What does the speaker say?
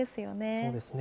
そうですね。